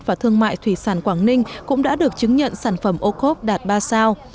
và thương mại thủy sản quảng ninh cũng đã được chứng nhận sản phẩm ô khốp đạt ba sao